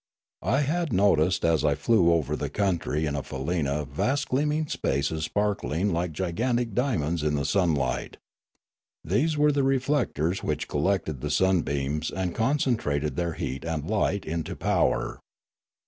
I had noticed as I flew over the country in a faleena vast gleaming spaces sparkling like gigantic diamonds in the sunlight. These were the reflectors which collected the sunbeams and concentrated their heat and light into power.